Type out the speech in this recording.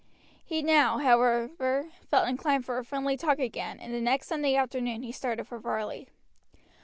He now, however, felt inclined for a friendly talk again, and the next Sunday afternoon he started for Varley.